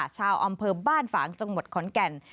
ชาวอำเภอบ้านฝางจังหวัดขอนแก่น